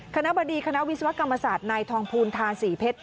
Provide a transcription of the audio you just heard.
คณะบดีคณะวิศวกรรมศาสตร์นายทองภูลทาศรีเพชร